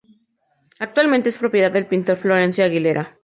Actualmente es propiedad del pintor Florencio Aguilera.